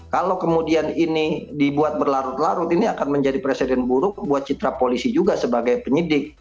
kalau kemudian ini dibuat berlarut larut ini akan menjadi presiden buruk buat citra polisi juga sebagai penyidik